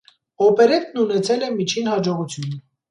Օպերետն ունեցել է միջին հաջողություն։